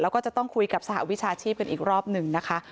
แล้วก็จะต้องคุยกับสหวิชาชีพกันอีกรอบหนึ่งนะคะ